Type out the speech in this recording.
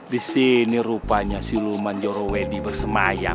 disini rupanya siluman jorowedi bersemayam